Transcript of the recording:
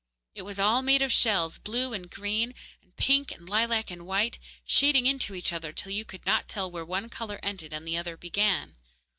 It was all made of shells, blue and green and pink and lilac and white, shading into each other till you could not tell where one colour ended and the other began.